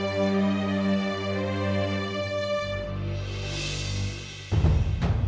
aku mau ke rumah